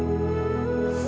aku terlalu berharga